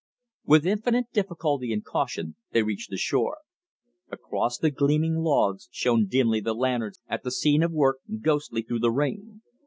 With infinite difficulty and caution, they reached the shore. Across the gleaming logs shone dimly the lanterns at the scene of work, ghostly through the rain.